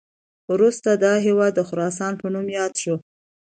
وروسته دا هیواد د خراسان په نوم یاد شو